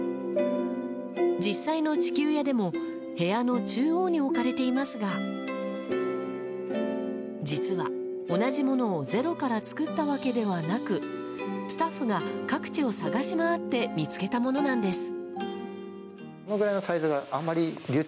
実際の地球屋でも部屋の中央に置かれていますが実は同じものをゼロから作った訳ではなくスタッフが各地を探し回って見つけたものなんです。